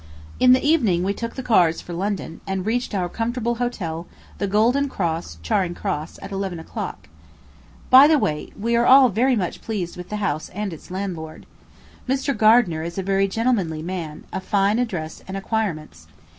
In the evening, we took the cars for London, and reached our comfortable hotel, the Golden Cross, Charing Cross, at eleven o'clock. By the way, we are all very much pleased with the house and its landlord. Mr. Gardiner is a very gentlemanly man, of fine address and acquirements.